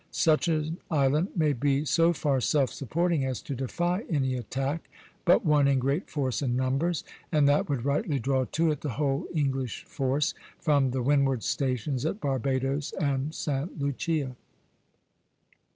Such an island may be so far self supporting as to defy any attack but one in great force and numbers, and that would rightly draw to it the whole English force from the windward stations at Barbadoes and Sta. Lucia.